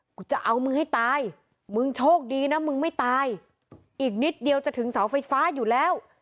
กูจะเอามึงให้ตายมึงโชคดีนะมึงไม่ตายอีกนิดเดียวจะถึงเสาไฟฟ้าอยู่แล้ว